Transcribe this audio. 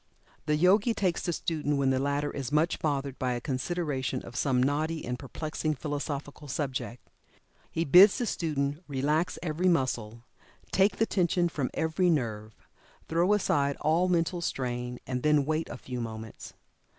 The Yogi takes the student when the latter is much bothered by a consideration of some knotty and perplexing philosophical subject. He bids the student relax every muscle, take the tension from every nerve throw aside all mental strain, and then wait a few moments.